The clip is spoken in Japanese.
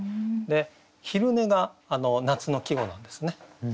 「昼寝」が夏の季語なんですね。